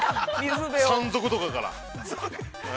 山賊とかから。